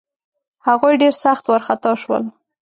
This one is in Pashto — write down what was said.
هغوی ډېر سخت وارخطا شول.